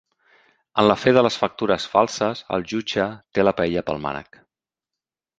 En l'afer de les factures falses el jutge té la paella pel mànec.